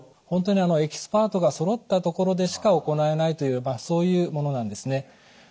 本当にエキスパートがそろった所でしか行えないというそういうものなんですね。